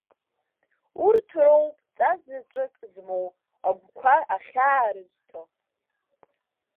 Урҭ роуп ҵас заҵәык змоу агәқәа ахьаа рызҭо.